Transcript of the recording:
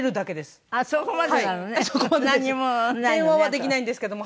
電話はできないんですけども。